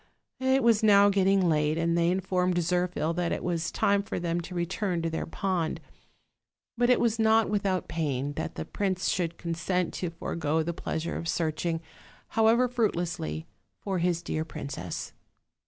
It was now getting late, and they informed Zirphil that it was time for them to return to their pond, but it was not without pain that the prince could consent to forego the pleasure of searching, how ever fruitlessly, for his dear princess.